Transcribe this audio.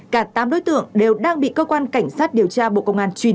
cả tám đối tượng đều đang bị cơ quan cảnh sát điều tra bộ công an truy bắt